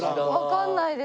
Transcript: わかんないです。